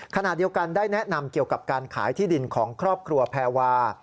ขณะเดียวกันได้แนะนำเกี่ยวกับการขายที่ดินของครอบครัวแพรวา